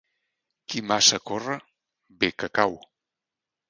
Qui massa corre, ve que cau.